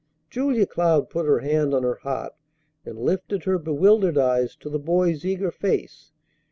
Julia Cloud put her hand on her heart, and lifted her bewildered eyes to the boy's eager face.